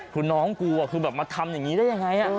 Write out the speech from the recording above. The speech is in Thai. คุณน้องกูอะคือมาทำอย่างนี้ได้ยัง